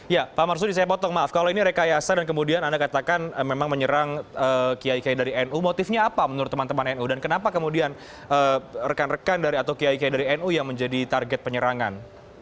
ya pak marsudi saya potong maaf kalau ini rekayasa dan kemudian anda katakan memang menyerang kiai kiai dari nu motifnya apa menurut teman teman nu dan kenapa kemudian rekan rekan dari atau kiai kiai dari nu yang menjadi target penyerangan